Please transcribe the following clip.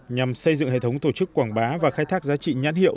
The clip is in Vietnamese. nhằm xây dựng hệ thống tổ chức quảng bá và khai thác giá trị nhãn hiệu